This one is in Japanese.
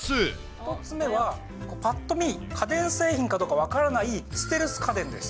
１つ目は、ぱっと見、家電製品かどうか分からないステルス家電です。